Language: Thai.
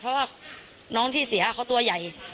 เพราะว่าน้องที่เสียเขาตัวใหญ่